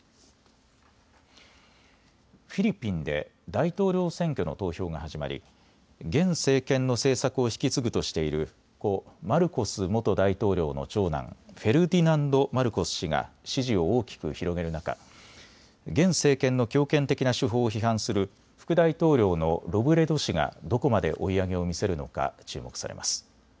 フィリピンで大統領選挙の投票が始まり現政権の政策を引き継ぐとしている故マルコス元大統領の長男、フェルディナンド・マルコス氏が支持を大きく広げる中、現政権の強権的な手法を批判する副大統領のロブレド氏がどこまで追い上げを見せるのか注目されます。